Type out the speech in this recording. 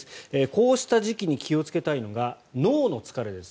こうした時期に気をつけたいのが脳の疲れです。